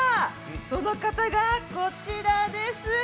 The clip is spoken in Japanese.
その方が、こちらです。